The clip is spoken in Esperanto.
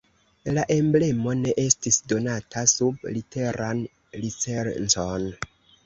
La emblemo ne estis donata sub liberan licencon.